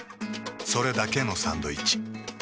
それだけのサンドイッチ。